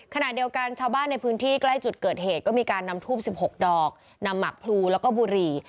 ขณะเดียวกันชาวบ้านในพื้นที่ใกล้จุดเกิดเหตุก็มีการนำทูบ๑๖ดอกนำหมักพลูแล้วก็บุหรี่